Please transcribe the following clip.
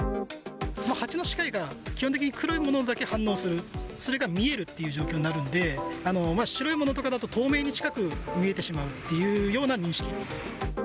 ハチの視界が基本的に黒いものだけ反応する、それが見えるっていう状況になるんで、白いものとかだと透明に近く見えてしまうっていうような認識。